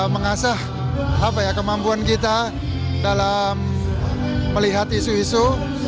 mengasah kemampuan kita dalam melihat isu isu